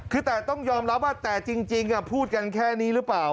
คือแต่ต้องยอมรับว่าแต่จริงพูดกันแค่นี้หรือเปล่า